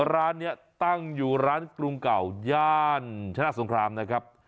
ร้านนี้ตั้งอยู่ร้านกรุงเก่าย่านชนะสงครามนะครับ